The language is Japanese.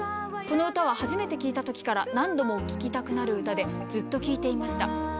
「この歌は初めて聞いた時から何度も聴きたくなる歌でずっと聞いていました。